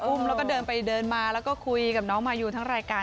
แล้วก็เดินไปเดินมาแล้วก็คุยกับน้องมายูทั้งรายการ